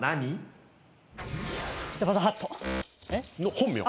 本名。